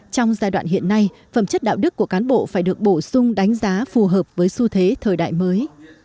trong giai đoạn hiện nay phẩm chất đạo đức của cán bộ phải được bổ sung đánh giá phù hợp với xu thế thời đại mới